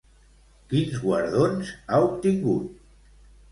Quins guardons ha obtingut?